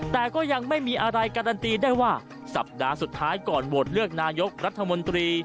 แต่ก็ยังไม่มีอะไรการันตีได้ว่าสัปดาห์สุดท้ายก่อนโหวตเลือกนายกรัฐมนตรี